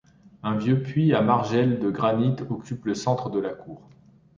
Un vieux puits à margelle de granit occupe le centre de la cour.